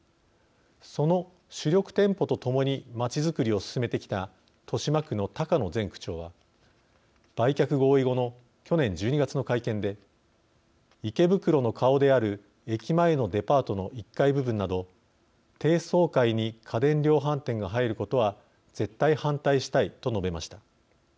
その主力店舗とともに街づくりを進めてきた豊島区の高野前区長は売却合意後の去年１２月の会見で池袋の顔である駅前のデパートの１階部分など「低層部に家電量販店が入ることは絶対反対したい」と述べました。